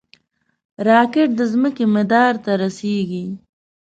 راکټ د ځمکې مدار ته رسېږي